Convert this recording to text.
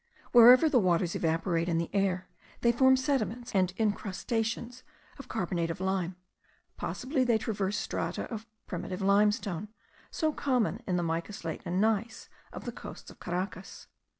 Wherever the waters evaporate in the air, they form sediments and incrustations of carbonate of lime; possibly they traverse strata of primitive limestone, so common in the mica slate and gneiss of the coasts of Caracas.